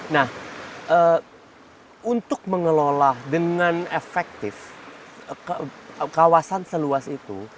nah untuk mengelola dengan efektif kawasan seluas itu